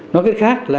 nói cách khác là